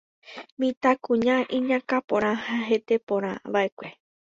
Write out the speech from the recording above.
Mitãkuña iñakãporã ha heteporãva'ekue.